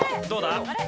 どうだ？